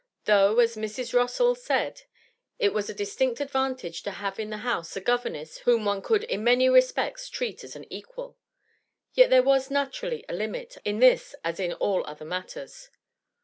Though, as Mrs. Rossall said, it was a distinct advantage to have in the house a governess whom one could in many respects treat as an equal, yet there was naturally a limit, in this as in all other matters.